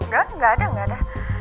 gak gak ada gak ada